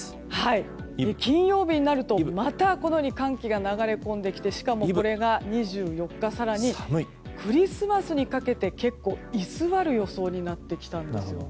金曜日になると、またこのように寒気が流れ込んできてしかも、これが２４日更にクリスマスにかけて結構、居座る予想になってきたんですよね。